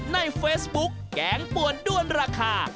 ในเฟซบุ๊กแกงป่วนด้วนราคา